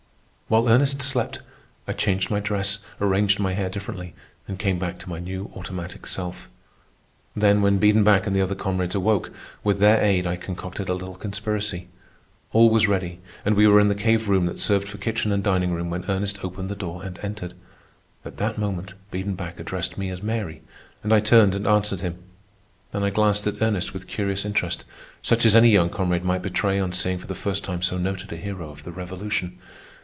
While Ernest slept, I changed my dress, arranged my hair differently, and came back to my new automatic self. Then, when Biedenbach and the other comrades awoke, with their aid I concocted a little conspiracy. All was ready, and we were in the cave room that served for kitchen and dining room when Ernest opened the door and entered. At that moment Biedenbach addressed me as Mary, and I turned and answered him. Then I glanced at Ernest with curious interest, such as any young comrade might betray on seeing for the first time so noted a hero of the Revolution.